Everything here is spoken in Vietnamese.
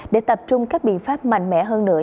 để tập trung các biện pháp mạnh mẽ hơn nữa